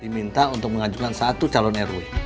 diminta untuk mengajukan satu calon rw